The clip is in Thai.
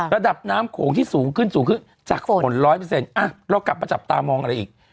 ระดับน้ำโขงที่สูงขึ้นสูงขึ้นจากฝน๑๐๐เรากลับมาจับตามองอะไรอีก